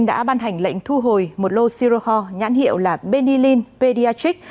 đã ban hành lệnh thu hồi một lô siroho nhãn hiệu là benilin pedyachic